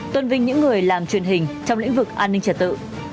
tôn vinh những người làm truyền hình trong lĩnh vực an ninh trật tự